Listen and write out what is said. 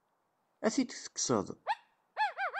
Ad t-id-tekkseḍ?